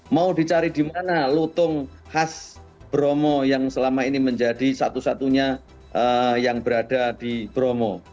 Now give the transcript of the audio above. mau dicari di mana lutung khas bromo yang selama ini menjadi satu satunya yang berada di bromo